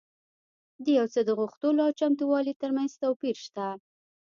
د يو څه د غوښتلو او چمتووالي ترمنځ توپير شته.